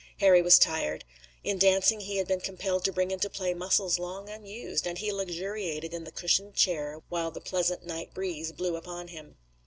Harry was tired. In dancing he had been compelled to bring into play muscles long unused, and he luxuriated in the cushioned chair, while the pleasant night breeze blew upon him.